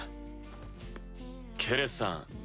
タッケレスさん